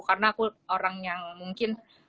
karena aku orang yang mungkin